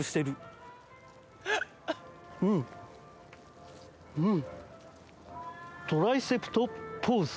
うんうん。